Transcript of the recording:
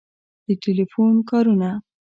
د ټیلیفون کارونه